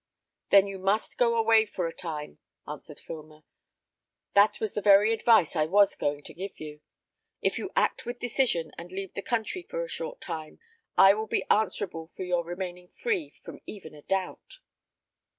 "Then you must go away for a time," answered Filmer. "That was the very advice I was going to give you. If you act with decision, and leave the country for a short time, I will be answerable for your remaining free from even a doubt."